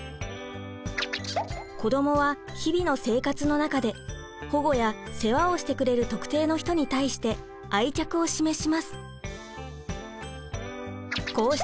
子どもは日々の生活の中で保護や世話をしてくれる特定の人に対して「愛着」を示します。